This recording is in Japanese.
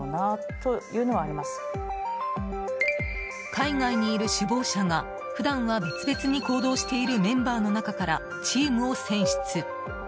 海外にいる首謀者が普段は別々に行動しているメンバーの中からチームを選出。